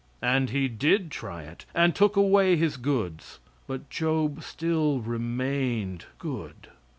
And he did try it, and took away his goods, but Job still remained good.